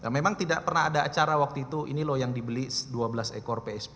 memang tidak pernah ada acara waktu itu ini loh yang dibeli dua belas ekor psp